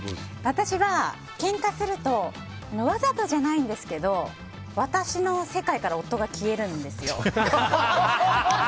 私はけんかするとわざとじゃないんですけど私の世界から夫が消えるんですよ。